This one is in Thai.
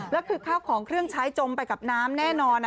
แล้วคือข้าวของเครื่องใช้จมไปกับน้ำแน่นอน